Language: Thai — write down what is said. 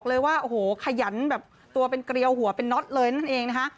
เลยว่าโอ้โหขยันแบบตัวเป็นเกลียวหัวเป็นน็อตเลยนั่นเองนะคะ